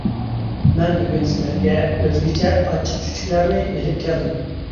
مەن بۈگۈن سىلەرگە ئۆزگىچە ئاچچىق-چۈچۈكلەرنى ئېلىپ كەلدىم.